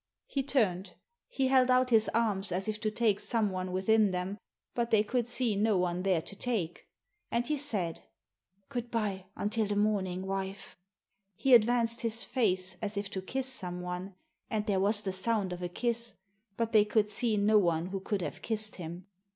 He turned ; he held out his arms as if to take someone within them, but they could see no one there to take. And he said, " Good bye until the morning, wife !" He advanced his face as if to kiss someone, and there was the sound of a kiss, but they could see no one who Digitized by VjOOQIC 6o THE SEEN AND THE UNSEEN could have kissed him.